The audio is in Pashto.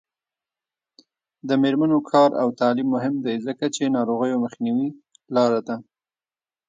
د میرمنو کار او تعلیم مهم دی ځکه چې ناروغیو مخنیوي لاره ده.